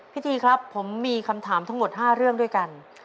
ทีครับผมมีคำถามทั้งหมด๕เรื่องด้วยกัน